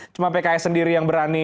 cuma pks sendiri yang berani